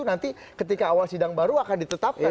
nanti ketika awal sidang baru akan ditetapkan